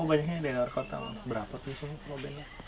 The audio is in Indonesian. oh banyaknya dari luar kota berapa tuh misalnya kalau benda